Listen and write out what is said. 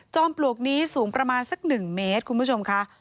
ปลวกนี้สูงประมาณสัก๑เมตรคุณผู้ชมค่ะ